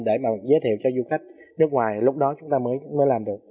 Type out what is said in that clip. để mà giới thiệu cho du khách nước ngoài lúc đó chúng ta mới làm được